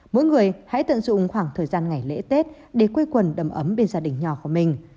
mỗi người hãy tận dụng khoảng thời gian ngày lễ tết để quê quần đầm ấm bên gia đình nhỏ của mình